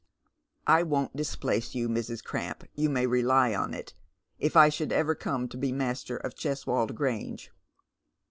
" I won't displace you, Mrs. Cramp, you may rely on it, if I should ever come to be master of Cheswold Grange.